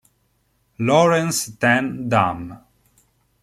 Laurens ten Dam